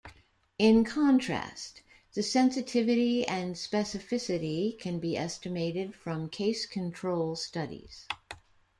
In contrast, the sensitivity and specificity can be estimated from case-control studies.